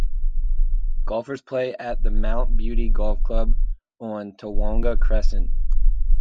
Golfers play at the Mount Beauty Golf Club on Tawonga Crescent.